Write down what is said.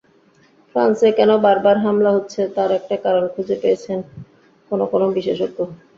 ফ্রান্সে কেন বারবার হামলা হচ্ছে, তার একটা কারণ খুঁজে পেয়েছেন কোনো কোনো বিশেষজ্ঞ।